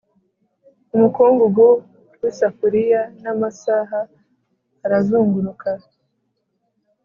umukungugu w'isafuriya n'amasaha arazunguruka